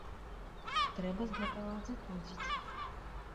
Трэба з гэтага зыходзіць.